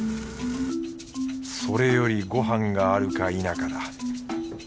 それよりご飯があるか否かだ。